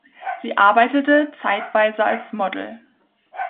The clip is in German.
Sie arbeitete zeitweise als Model.